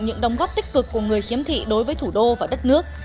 những đóng góp tích cực của người khiếm thị đối với thủ đô và đất nước